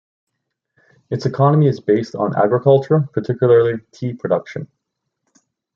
Its economy is based on agriculture, particularly tea production.